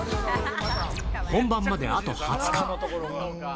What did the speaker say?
本番まであと２０日。